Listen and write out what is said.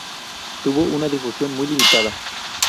Tuvo una difusión muy limitada.